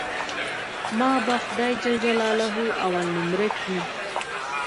ما به خداى جل جلاله اول نؤمره کي.